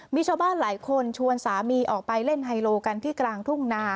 มีชาวบ้านหลายคนชวนสามีออกไปเล่นไฮโลกันที่กลางทุ่งนา